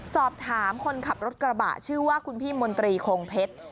สอบถามคนขับรถกระบะชื่อว่าคุณพี่มนตรีคงเพชร